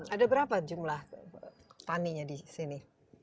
ada berapa jumlah taninya di sini